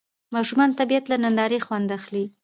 ماشومان د طبیعت له نندارې خوند اخلي